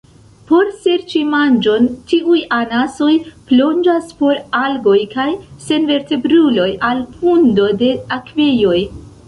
Por serĉi manĝon tiuj anasoj plonĝas por algoj kaj senvertebruloj al fundo de akvejoj.